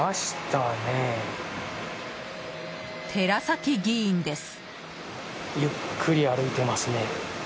寺崎議員です。